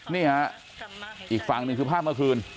นี่ฮะอีกฝั่งหนึ่งคือภาพเมื่อคืน